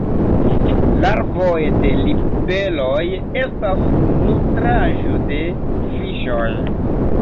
Larvoj de libeloj estas nutraĵo de fiŝoj.